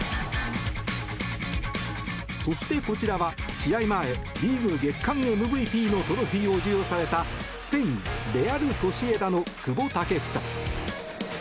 そしてこちらは試合前リーグ月間ＭＶＰのトロフィーを授与されたスペインレアル・ソシエダの久保建英。